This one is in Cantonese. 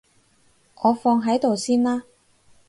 我放喺度先啦